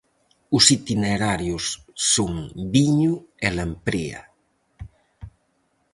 Os itinerarios son Viño e Lamprea.